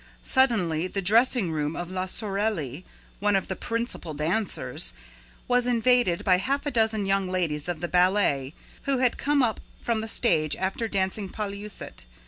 Suddenly the dressing room of La Sorelli, one of the principal dancers, was invaded by half a dozen young ladies of the ballet, who had come up from the stage after "dancing" Polyeucte.